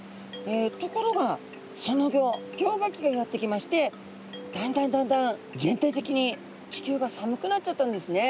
ところがそのギョ氷河期がやってきましてだんだんだんだん全体的に地球が寒くなっちゃったんですね。